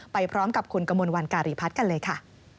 ไปพร้อมกับคุณกมลวันการีพัฒน์กันเลยค่ะ